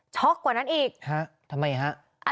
กว่านั้นอีกฮะทำไมฮะ